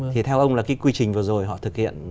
thì theo ông là cái quy trình vừa rồi họ thực hiện